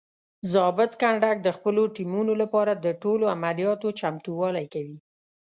ضابط کنډک د خپلو ټیمونو لپاره د ټولو عملیاتو چمتووالی کوي.